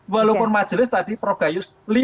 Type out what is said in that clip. walaupun majelis tadi pro gayus lima